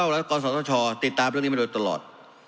และการส่งดิจัลและการส่งต้นช่อติดตามเรื่องนี้มาโดยตลอด